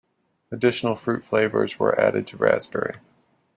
Additional fruit flavours were added to raspberry.